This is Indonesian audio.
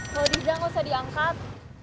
kalau dibilang nggak usah diangkat